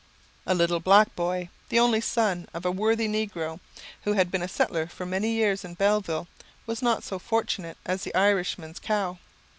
A little black boy, the only son of a worthy negro, who had been a settler for many years in Belleville, was not so fortunate as the Irishman's cow.